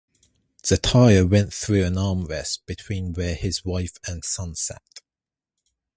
The tyre went through an armrest between where his wife and son sat.